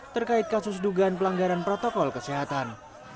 terkait kasus dugaan pelanggaran protokol kesehatan